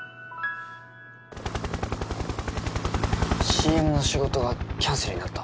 ＣＭの仕事がキャンセルになった？